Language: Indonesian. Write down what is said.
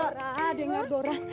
dora dengar dora